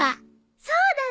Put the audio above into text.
そうだね。